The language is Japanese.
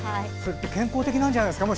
健康的なんじゃないですか